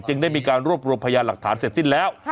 ได้มีการรวบรวมพยานหลักฐานเสร็จสิ้นแล้ว